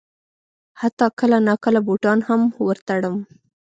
حتی کله ناکله بوټان هم ور تړم.